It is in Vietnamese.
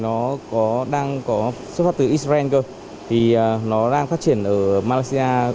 nó có đang có xuất phát từ israel cơ thì nó đang phát triển ở malaysia